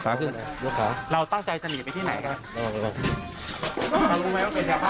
อย่าบ้าหรือว่าเราคิดว่าเป็นกันค่ะ